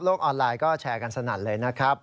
ออนไลน์ก็แชร์กันสนั่นเลยนะครับ